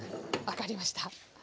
分かりました。